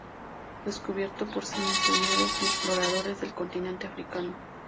Descubierto por misioneros y exploradores del continente africano.